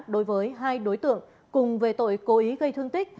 đối với hai đối tượng cùng về tội cố ý gây thương tích